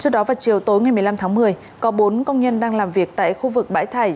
trước đó vào chiều tối ngày một mươi năm tháng một mươi có bốn công nhân đang làm việc tại khu vực bãi thải